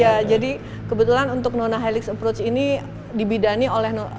ya jadi kebetulan untuk nonahelix approach ini dibidani oleh nonahelix